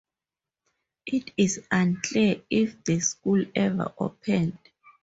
It is unclear if the school ever opened.